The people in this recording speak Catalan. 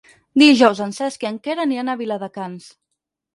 Dijous en Cesc i en Quer aniran a Viladecans.